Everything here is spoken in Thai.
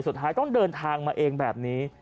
สุดท้ายต้องเดินทางมาเองแบบนี้